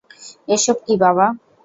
এসব কী বাবা?